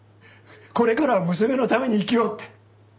これからは娘のために生きようって。